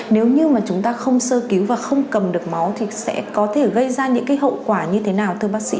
nếu như chúng ta không sơ cứu và không cầm được máu thì sẽ có thể gây ra những hậu quả như thế nào